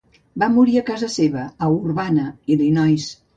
Va morir a casa seva, a Urbana, Illinois.